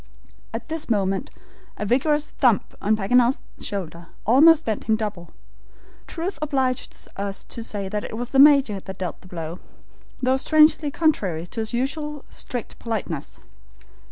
At this moment a vigorous thump on Paganel's shoulder almost bent him double. Truth obliges us to say it was the Major that dealt the blow, though strangely contrary to his usual strict politeness.